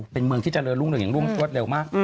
เป็นเมืองที่เจริญโลกอย่างร่วมทวดเร็วมาก